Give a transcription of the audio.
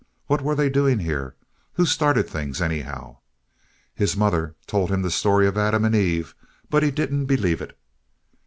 What were they doing here? Who started things, anyhow? His mother told him the story of Adam and Eve, but he didn't believe it.